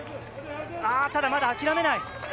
ただ、まだ諦めない。